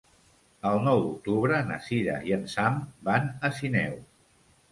El nou d'octubre na Sira i en Sam van a Sineu.